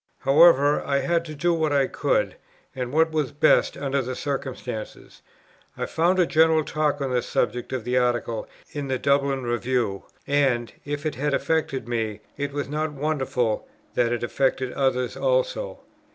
However, I had to do what I could, and what was best, under the circumstances; I found a general talk on the subject of the Article in the Dublin Review; and, if it had affected me, it was not wonderful, that it affected others also.